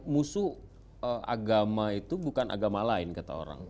musuh agama itu bukan agama lain kata orang